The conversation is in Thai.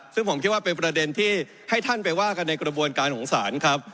ซึ่งผมคิดว่าเป็นประเด็นที่ให้ท่านไปว่ากันในกระบวนการของศาลครับ